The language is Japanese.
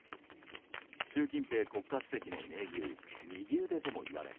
習近平国家主席の盟友右腕ともいわれ